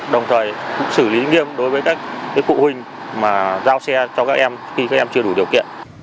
đồng thời cũng xử lý nghiêm đối với các phụ huynh mà giao xe cho các em khi các em chưa đủ điều kiện